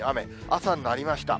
朝になりました。